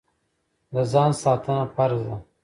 د ځان ساتنه فرض ده.